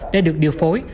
để được điều phối